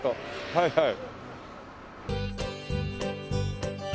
はいはい。